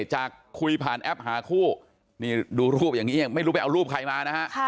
จากคุยผ่านแอปหาคู่นี่ดูรูปอย่างนี้ไม่รู้ไปเอารูปใครมานะฮะ